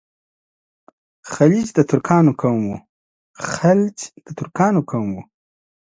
خلج د ترکانو قوم وو.